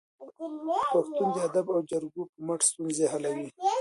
پښتون د ادب او جرګو په مټ ستونزې حلوي.